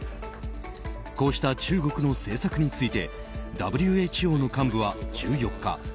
こうした中国の政策についてＷＨＯの幹部は１４日